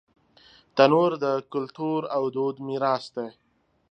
تنور د کلتور او دود میراث دی